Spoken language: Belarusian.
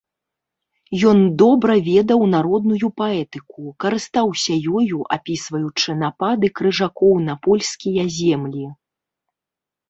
Ён добра ведаў народную паэтыку, карыстаўся ёю, апісваючы напады крыжакоў на польскія землі.